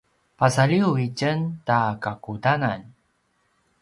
pasaliw i tjen ta kakudanan